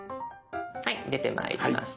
はい出てまいりました。